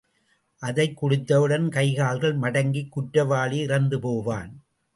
அதைக் குடித்தவுடன் கைகால்கள் மடங்கிக் குற்றவாளி இறந்து போவான்.